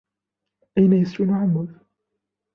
أين يسكن عمك؟